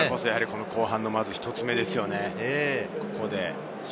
後半の一つ目ですよね。